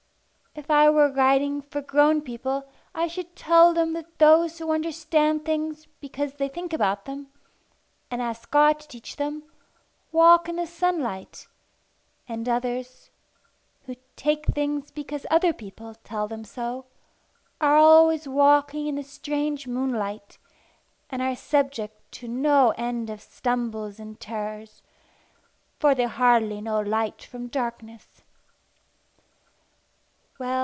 If I were writing for grown people I should tell them that those who understand things because they think about them, and ask God to teach them, walk in the sunlight; and others, who take things because other people tell them so, are always walking in the strange moonlight, and are subject to no end of stumbles and terrors, for they hardly know light from darkness.